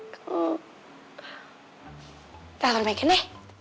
kita tonton megan ya